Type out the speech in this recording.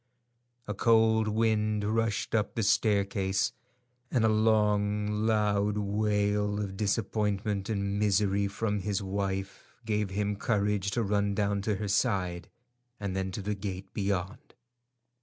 A cold wind rushed up the staircase, and a long loud wail of disappointment and misery from his wife gave him courage to run down to her side, and then to the gate beyond.